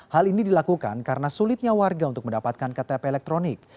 hal ini dilakukan karena sulitnya warga untuk mendapatkan ktp elektronik